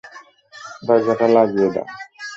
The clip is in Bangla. দরজাটা লাগিয়ে দাও!